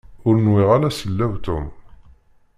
Ur nwiɣ ara sellaw Tom.